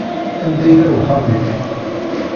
Anda yella uxxam-ik?